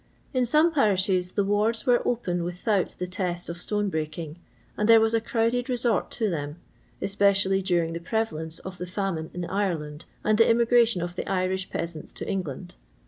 In some parishes the wards were open without the test of stone breaking, and there was a crowded resort to them, especi^ly during the prevalence of the fiunine in Ireland and the immigration of the Irish peasBBts to England.